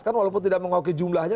kan walaupun tidak mengoki jumlahnya